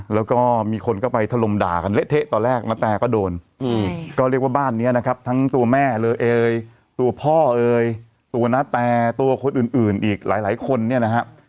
แล้วก็มีคนก็ไปถล่มด่ากันเละเทะตอนแรกณแตก็โดนก็เรียกว่าบ้านนี้นะครับทั้งตัวแม่เลยเอ่ยตัวพ่อเอ่ยตัวนาแตตัวคนอื่นอีกหลายคนเนี่ยนะฮะ